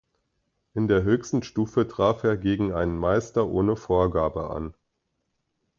In der höchsten Stufe trat er gegen einen Meister ohne Vorgabe an.